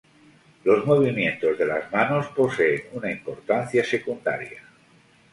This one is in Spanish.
Los movimientos de las manos poseen una importancia secundaria.